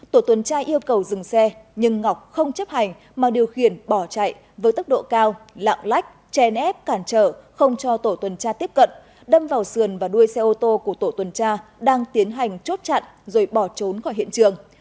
tổ tuần tra yêu cầu dừng xe nhưng ngọc không chấp hành mà điều khiển bỏ chạy với tốc độ cao lạng lách chè nép cản trở không cho tổ tuần tra tiếp cận đâm vào sườn và đuôi xe ô tô của tổ tuần tra đang tiến hành chốt chặn rồi bỏ trốn khỏi hiện trường